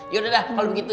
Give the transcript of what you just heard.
yaudah dah kalau begitu